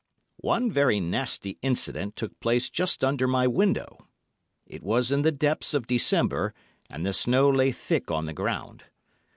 One very nasty incident took place just under my window. It was in the depths of December, and the snow lay thick on the ground.